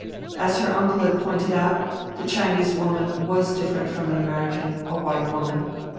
As her uncle had pointed out, the Chinese woman was different from an American, a white woman.